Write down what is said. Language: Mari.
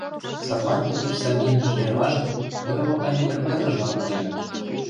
Садлан Пекеш Савийын шереважым йорло Айметын эргыжлан пуэныт...